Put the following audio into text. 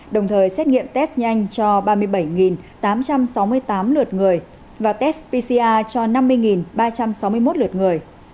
đồng thời xét nghiệm test nhanh cho ba mươi bảy tám trăm sáu mươi tám lượt người và test pcr cho năm mươi ba trăm sáu mươi một lượt người